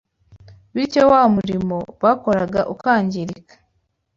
bityo wa murimo bakoraga ukangirika